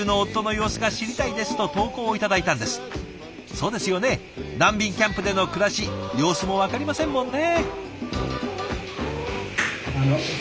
そうですよね難民キャンプでの暮らし様子もわかりませんもんね。